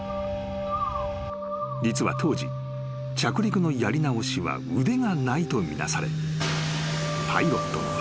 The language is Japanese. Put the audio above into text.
［実は当時着陸のやり直しは腕がないと見なされ］